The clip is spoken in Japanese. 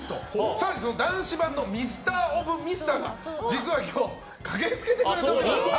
更にその男子版のミスターオブミスターが実は今日駆け付けてくれております。